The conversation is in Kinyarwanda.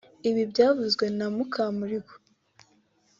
ibi byavuzwe na Mukamurigo